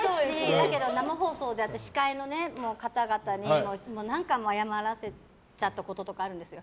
だけど、生放送で司会の方々に何回も謝らせちゃったことがあるんですよ。